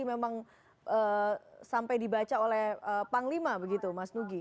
memang sampai dibaca oleh panglima begitu mas nugi